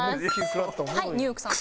はいニューヨークさん。